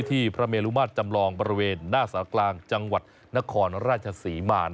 พระเมลุมาตรจำลองบริเวณหน้าสารกลางจังหวัดนครราชศรีมา